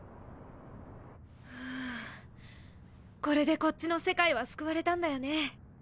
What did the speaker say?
これでこっちの世界は救われたんだよね。